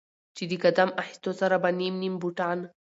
چې د قدم اخيستو سره به نيم نيم بوټان